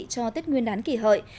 cho tết nguyên đán kỷ hợi